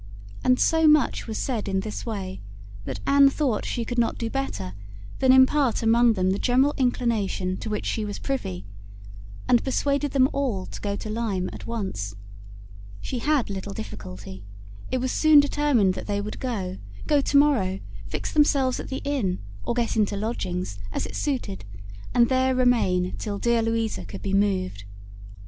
And so much was said in this way, that Anne thought she could not do better than impart among them the general inclination to which she was privy, and persuaded them all to go to Lyme at once. She had little difficulty; it was soon determined that they would go; go to morrow, fix themselves at the inn, or get into lodgings, as it suited, and there remain till dear Louisa could be moved.